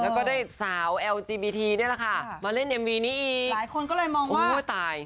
แล้วก็ได้สาวแอลจีบีทีนี่แหละค่ะมาเล่นเอ็มวีนี้อีกหลายคนก็เลยมองว่าโอ้ยตาย